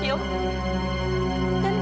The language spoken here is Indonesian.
saya sudah selalu berhubung dengan dia